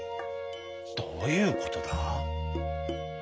「どういうことだ？